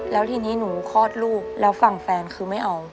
แล้วทีนี้หนูคลอดลูกแล้วฝั่งแฟนคือไม่เอา